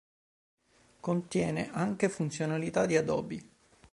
Contiene anche funzionalità di Adobe.